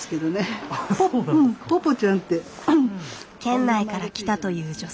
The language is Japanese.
県内から来たという女性。